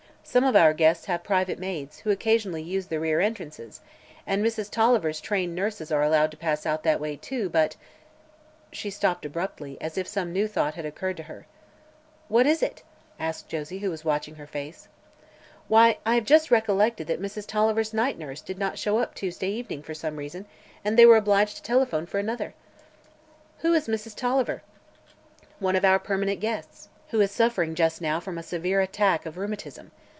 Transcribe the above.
Some of our guests have private maids, who occasionally use the rear entrances, and Mrs. Tolliver's trained nurses are allowed to pass out that way, too; but " She stopped abruptly, as if some new thought had occurred to her. "What is it?" asked Josie, who was watching her face. "Why, I have just recollected that Mrs. Tolliver's night nurse did not show up Tuesday evening, for some reason, and they were obliged to telephone for another." "Who is Mrs. Tolliver?" "One of our permanent guests, who is suffering just now from a severe attack of rheumatism.